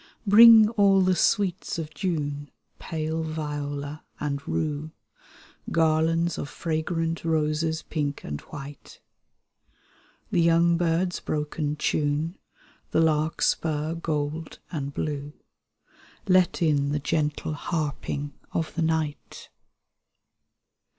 Bring all the sweets of Jvme, Pale viola and rue, Garlands of fragrant roses, pink and white. The young birds' broken tune. The larkspur gold and blue, Let in the gentle harping of the night.